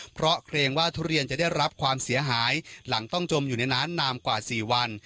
เพราะเกรงว่าทุเรียนจะได้รับความเสียหายหลังต้องจมอยู่ในน้ำนานกว่า๔วัน